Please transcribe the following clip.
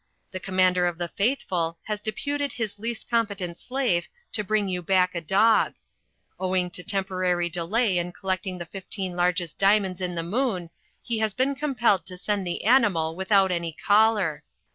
The Commander of the Faithful has de puted his least competent slave to bring you back a dog. Owing to temporary delay in collecting the fifteen 146 THE FLYING INN largest diamonds in the moon, he has been compelled to send the animal without any collar.